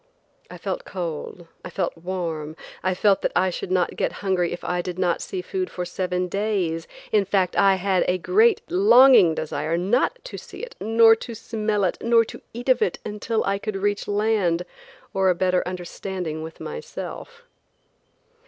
I felt cold, I felt warm; I felt that I should not get hungry if I did not see food for seven days; in fact, I had a great, longing desire not to see it, nor to smell it, nor to eat of it, until I could reach land or a better understanding with myself.